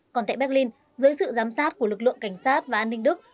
còn tại berlin dưới sự giám sát của lực lượng cảnh sát và an ninh đức